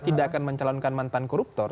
tidak akan mencalonkan mantan koruptor